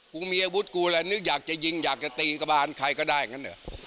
กูมีอาวุธกูแหละนึกอยากจะยิงอยากจะตีกระบานใครก็ได้อย่างนั้นเหรอ